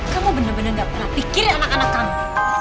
kamu bener bener gak pernah pikirin anak anak kamu